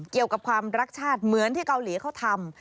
เกี่ยวกับความรักชาติเหมือนที่เกาหลีเขาทำ